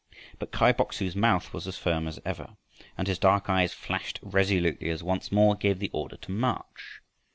But Kai Bok su's mouth was as firm as ever, and his dark eyes flashed resolutely, as once more he gave the order to march.